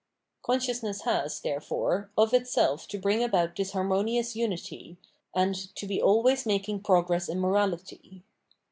Consciousness has, therefore, of itself to bring about this harmonious unity, and "'to be always making progress in morahty."